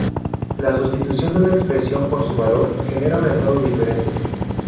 La sustitución de una expresión por su valor genera un estado diferente.